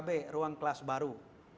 diberikan rkb ruang kelas baru